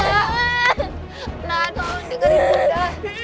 nak jangan dengerin bunda